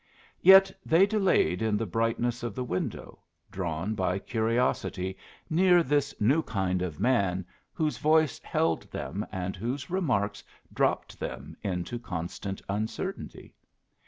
Yet they delayed in the brightness of the window, drawn by curiosity near this new kind of man whose voice held them and whose remarks dropped them into constant uncertainty.